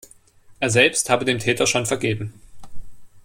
Er selbst habe dem Täter schon vergeben.